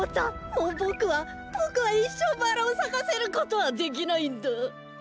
もうボクはボクはいっしょうバラをさかせることはできないんだ！